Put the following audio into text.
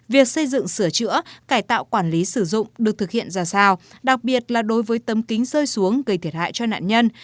việc xây dựng sửa chữa cải tạo quản lý sử dụng được thực hiện ra sao đặc biệt là đối với tấm kính rơi xuống gây thiệt hại cho nạn nhân